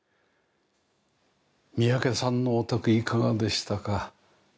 三宅さんのお宅いかがでしたか？